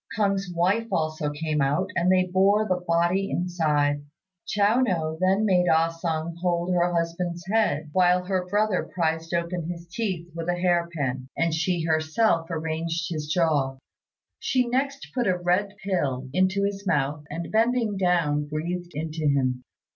K'ung's wife also came out, and they bore the body inside. Chiao no then made Ah sung hold her husband's head, while her brother prised open his teeth with a hair pin, and she herself arranged his jaw. She next put a red pill into his mouth, and bending down breathed into him.